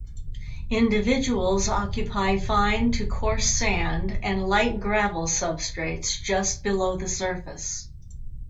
Individuals occupy fine to coarse sand and light gravel substrates just below the surface.